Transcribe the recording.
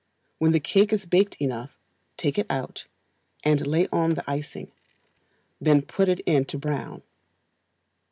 When the cake is baked enough, take it out, and lay on the icing; then put it in to brown.